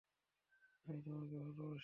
আমি তোমাকে ভালবাসি?